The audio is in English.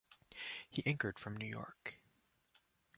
He anchored from New York.